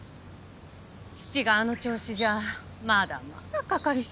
父があの調子じゃまだまだかかりそうだから。